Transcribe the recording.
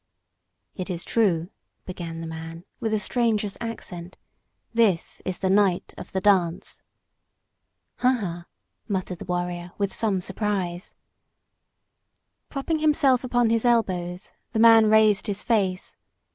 "It is true," began the man, with a stranger's accent. "This is the night of the dance." "Hunha!" muttered the warrior with some surprise. Propping himself upon his elbows, the man raised his face.